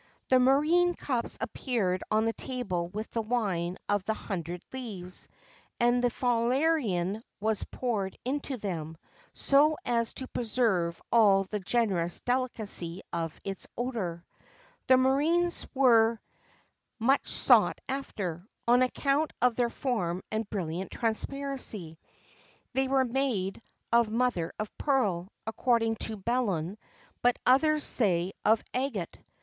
[XXVII 32] The Murrhine cups appeared on the table with the wine of the "hundred leaves," and the Falernian was poured into them, so as to preserve all the generous delicacy of its odour.[XXVII 33] The Murrhines were much sought after, on account of their form and brilliant transparency: they were made of mother of pearl, according to Belon, but others say of agate.